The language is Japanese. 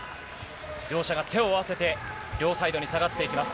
両者、手を合わせて両サイドに下がっていきます。